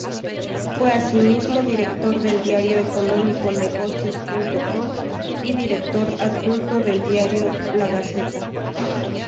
Fue, asimismo, director del diario económico Negocios.com y director adjunto del diario La Gaceta.